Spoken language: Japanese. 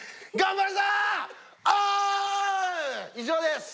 以上です。